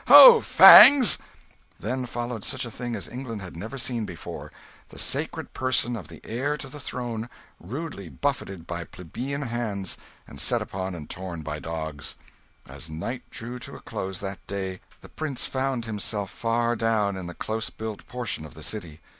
ho, Fangs!" Then followed such a thing as England had never seen before the sacred person of the heir to the throne rudely buffeted by plebeian hands, and set upon and torn by dogs. As night drew to a close that day, the prince found himself far down in the close built portion of the city.